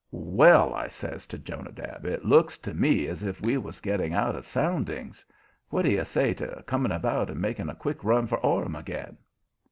"Well," I says to Jonadab, "it looks to me as if we was getting out of soundings. What do you say to coming about and making a quick run for Orham again?"